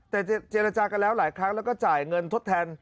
แต่เจรจากันแล้วหลายครั้งแล้วก็จ่ายเงินทดแทน